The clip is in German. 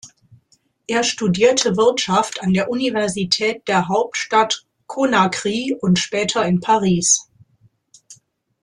Er studierte Wirtschaft an der Universität der Hauptstadt Conakry und später in Paris.